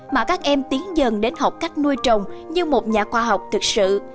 mà các em tiến dần đến học cách nuôi trồng như một nhà khoa học thực sự